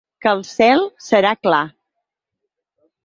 Que el cel serà clar.